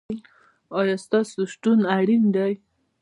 ایا ستاسو شتون اړین دی؟